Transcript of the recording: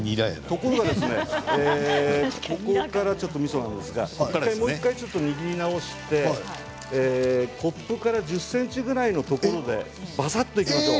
ここからちょっとみそなんですがもう１回握り直してコップから１０ｃｍぐらいのところでばさっといきましょう。